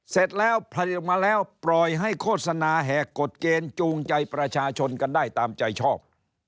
เสร็จแล้วผลิตออกมาแล้วปล่อยให้โฆษณาแหกกฎเกณฑ์จูงใจประชาชนกันได้ตามใจชอบ